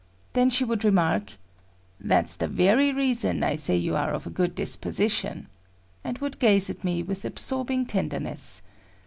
Then she would remark; "That's the very reason I say you are of a good disposition," and would gaze at me with absorbing tenderness.